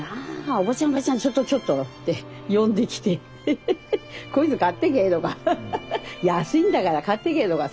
おばちゃんちょっとちょっと」って呼んできて「こいつ買ってけ」とか「安いんだから買ってけ」とかさ。